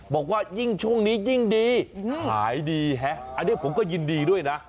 บอกว่ายิ่งช่วงนี้ยิ่งดีขายดีฮะอันนี้ผมก็ยินดีด้วยนะ